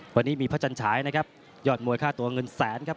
วันนี้มีพระจันฉายนะครับยอดมวยค่าตัวเงินแสนครับ